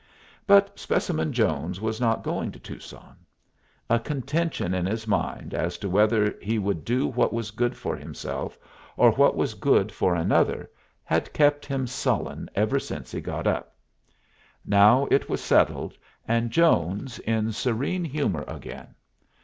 But Specimen Jones was not going to Tucson. A contention in his mind as to whether he would do what was good for himself, or what was good for another, had kept him sullen ever since he got up. Now it was settled, and Jones in serene humor again.